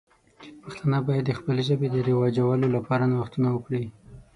پښتانه باید د خپلې ژبې د رواجولو لپاره نوښتونه وکړي.